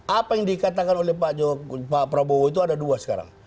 apa yang dikatakan oleh pak prabowo itu ada dua sekarang